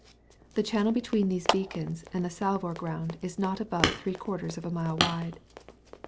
The channel between those beacons and the Salvor Ground is not above three quarters of a mile wide.